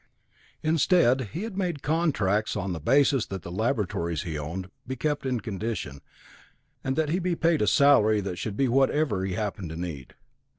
Instead he had made contracts on the basis that the laboratories he owned be kept in condition, and that he be paid a salary that should be whatever he happened to need.